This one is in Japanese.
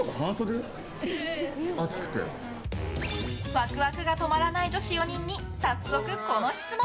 ワクワクが止まらない女子４人に早速、この質問。